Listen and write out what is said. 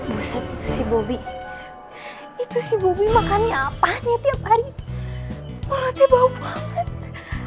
buset itu si bobby itu si bobby makannya apaan ya tiap hari kalau tebak banget